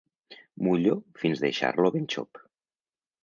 Mullo fins deixar-lo ben xop.